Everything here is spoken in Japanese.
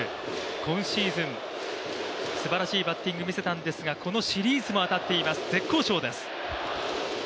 今シーズン、すばらしいバッティング見せたんですが、このシリーズも当たっています